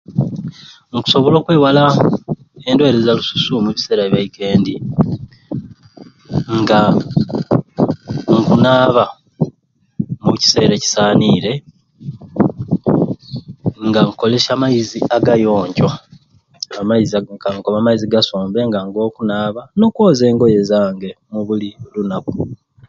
Nkusobola okwewala endweire za lususu omu biseera byekendi nga nkunaaba omu kiseera ekyisanire nga nkukolesya amaizi agayonjo amaizi ga kankobe amaizi agasumbe nga nigo nkunaaba n'okwoza engoye zange mubuli lunaku